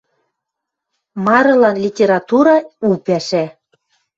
Марылан литература — у пӓшӓ.